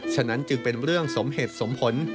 ฉะนั้นจึงเป็นเรื่องสมเหตุสมผล